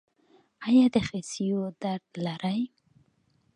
ایا د خصیو درد لرئ؟